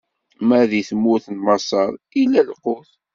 Ma di tmurt n Maṣer, illa lqut.